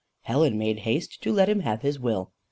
Helen made haste to let him have his will.